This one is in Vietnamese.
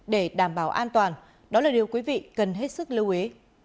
để đảm bảo an toàn đó là điều quý vị cần hết sức lưu ý